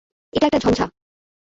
এটা একটা ঝঞ্ঝা।